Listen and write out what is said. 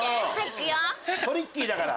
トリッキーだから。